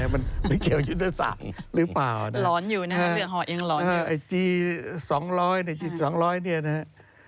ไม่เกี่ยวกับยุทธศาสตร์หรือเปล่า